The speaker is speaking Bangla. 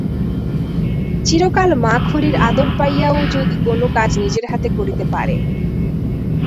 চিরকাল মা-খুড়ির আদর পাইয়া ও যদি কোনো কাজ নিজের হাতে করিতে পারে।